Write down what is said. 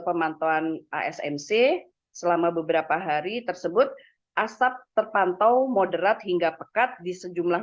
pemantauan asnc selama beberapa hari tersebut asap terpantau moderat hingga pekat di sejumlah